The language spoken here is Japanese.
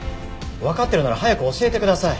わかってるなら早く教えてください。